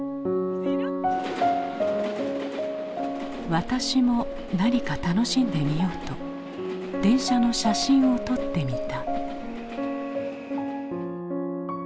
私も何か楽しんでみようと電車の写真を撮ってみた。